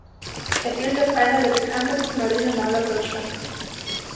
Er gilt als einer der bekanntesten Marinemaler Deutschlands.